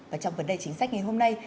và trong vấn đề chính sách ngày hôm nay